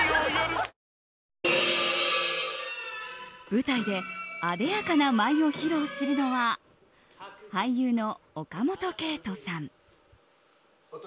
舞台であでやかな舞を披露するのは俳優の岡本圭人さん。